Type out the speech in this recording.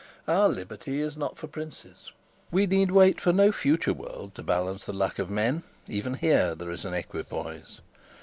Our liberty is not for princes. We need wait for no future world to balance the luck of men; even here there is an equipoise.